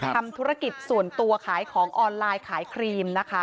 ทำธุรกิจส่วนตัวขายของออนไลน์ขายครีมนะคะ